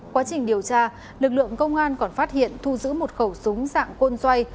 quá trình điều tra lực lượng công an còn phát hiện thu giữ một khẩu súng dạng côn xoay